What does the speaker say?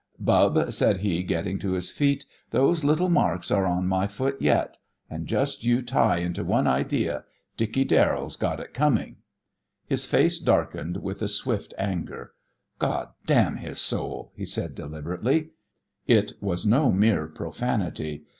"Bub," said he, getting to his feet, "those little marks are on my foot yet. And just you tie into one idea: Dickey Darrell's got it coming." His face darkened with a swift anger. "God damn his soul!" he said, deliberately. It was no mere profanity.